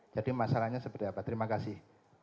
jadi masalahnya seperti apa terima kasih